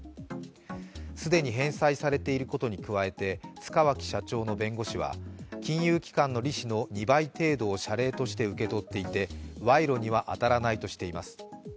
既に返済されていることに加えて塚脇社長の弁護士は金融機関の利子の２倍程度を謝礼として受け取っていて賄賂には当たらないとしています。